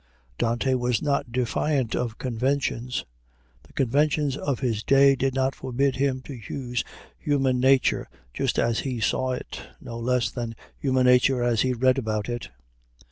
Dante was not defiant of conventions: the conventions of his day did not forbid him to use human nature just as he saw it, no less than human nature as he read about it.